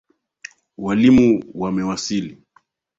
Walimu wamewasili.